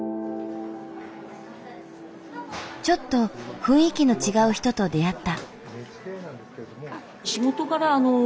ちょっと雰囲気の違う人と出会った。